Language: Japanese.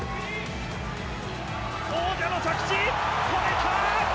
王者の着地、止めた！